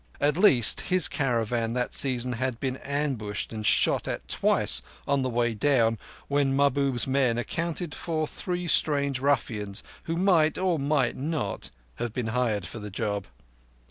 At least, his caravan that season had been ambushed and shot at twice on the way down, when Mahbub's men accounted for three strange ruffians who might, or might not, have been hired for the job.